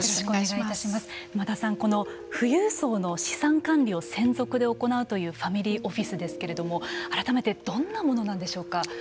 富裕層の資産管理を専属で行うというファミリーオフィスですけれども改めてどんなものなんでしょうか。